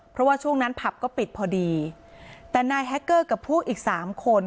เพราะว่าช่วงนั้นผับก็ปิดพอดีแต่นายแฮคเกอร์กับพวกอีกสามคน